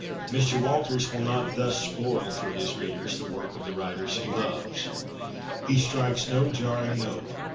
Mr. Walters will not thus spoil for his readers the work of the writers he loves. He strikes no jarring note.